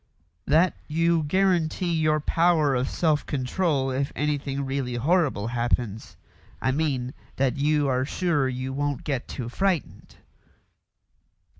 "That you guarantee your power of self control if anything really horrible happens. I mean that you are sure you won't get too frightened."